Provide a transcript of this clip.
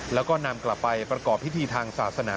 แล้วก็นำกลับไปประกอบพิธีทางศาสนา